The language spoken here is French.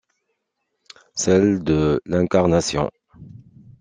Celle de l’incarnation.